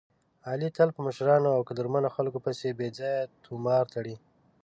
علي تل په مشرانو او قدرمنو خلکو پسې بې ځایه طومار تړي.